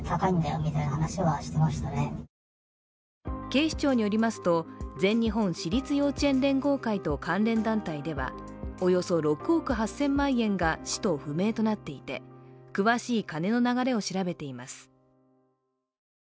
警視庁によりますと、全日本市立幼稚園連合会と関連団体では、およそ６億８０００万円が使途不明となっていて詳しい金の流れを調べています。